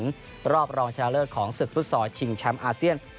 กรอบรองชาลเลือร์ของสึกฟุตซอร์ชิงแชมพ์อาเซียน